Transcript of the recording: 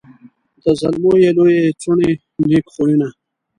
د زلمو یې لويي څوڼي نېک خویونه